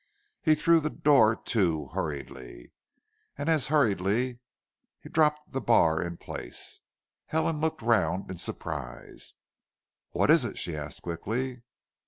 He threw the door to hurriedly and as hurriedly dropped the bar in place. Helen looked round in surprise. "What is it?" she asked quickly.